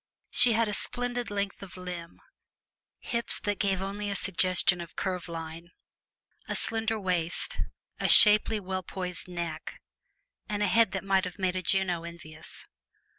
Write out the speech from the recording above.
She had a splendid length of limb, hips that gave only a suggestion of curve line, a slender waist, a shapely, well poised neck, and a head that might have made a Juno envious.